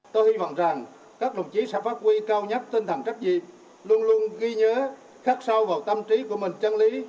tôi hy vọng rằng các đồng chí sẽ phát huy cao nhất tân thẳng trách nhiệm luôn luôn ghi nhớ khắc sao vào tâm trí của mình chân lý